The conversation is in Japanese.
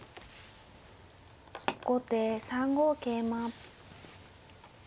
後手３五桂馬。